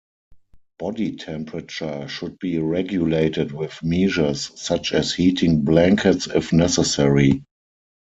Body temperature should be regulated with measures such as heating blankets if necessary.